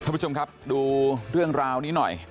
คุณผู้ชมครับดูเรื่องราวนี้หน่อย